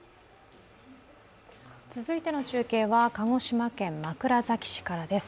続いての中継は、鹿児島県枕崎市からです。